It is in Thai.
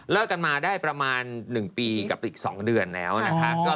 กันมาได้ประมาณ๑ปีกับอีก๒เดือนแล้วนะคะ